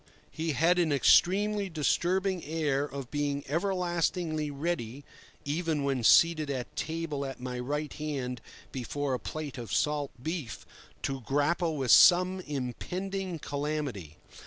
He had an extremely disturbing air of being everlastingly ready (even when seated at table at my right hand before a plate of salt beef) to grapple with some impending calamity.